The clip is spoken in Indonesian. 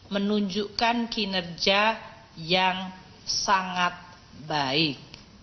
menunjukkan kinerja yang sangat baik